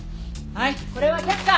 はいこれは却下！